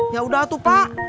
ya udah tuh pak